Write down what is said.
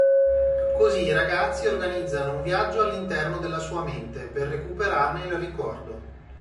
Così i ragazzi organizzano un viaggio all'interno della sua mente per recuperarne il ricordo.